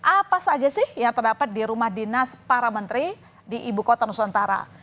apa saja sih yang terdapat di rumah dinas para menteri di ibu kota nusantara